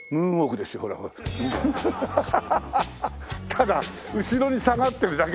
ただ後ろに下がってるだけ。